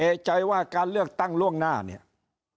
ยิ่งอาจจะมีคนเกณฑ์ไปลงเลือกตั้งล่วงหน้ากันเยอะไปหมดแบบนี้